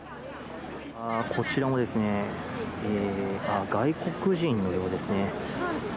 こちらも外国人のようですね。